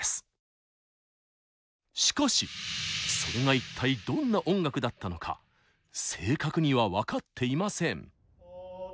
しかしそれが一体どんな音楽だったのか正確には分かっていません。